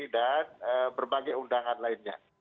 dan berbagai undangan lainnya